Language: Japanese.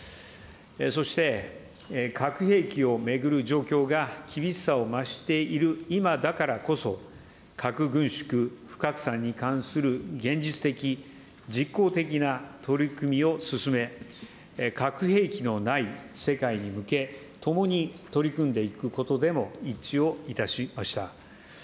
そして、核兵器を巡る状況が厳しさを増している今だからこそ、核軍縮、不拡散に関する現実的、実効的な取り組みを進め、核兵器のない世界に向け、共に取り組んでいくことでも一致をいたしました。